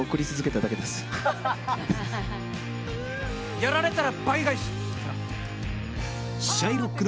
やられたら倍返しってな。